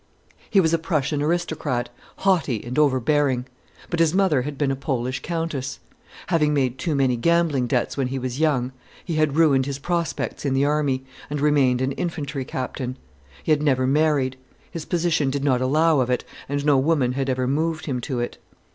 He was a Prussian aristocrat, haughty and overbearing. But his mother had been a Polish Countess. Having made too many gambling debts when he was young, he had ruined his prospects in the Army, and remained an infantry captain. He had never married: his position did not allow of it, and no woman had ever moved him to it.